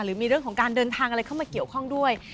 หรือมีเรื่องของการเดินทางอะไรเข้ามาเกี่ยวข้องด้วย